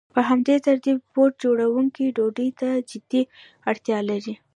په همدې ترتیب بوټ جوړونکی ډوډۍ ته جدي اړتیا لري